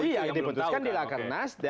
ya yang diputuskan di lakarnas